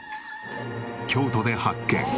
京都で発見。